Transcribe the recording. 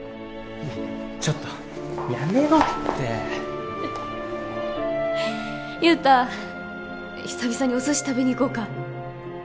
ちょっとやめろって雄太久々にお寿司食べに行こうか？